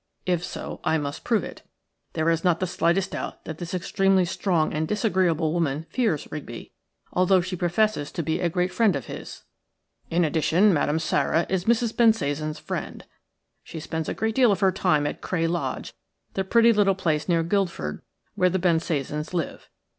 If so, I must prove it. There is not the slightest doubt that this extremely strong and disagreeable woman fears Rigby, although she professes to be a great friend of his. "In addition, Madame Sara is Mrs. Bensasan's friend. She spends a great deal of her time at Cray Lodge, the pretty little place near Guildford where the Bensasans live.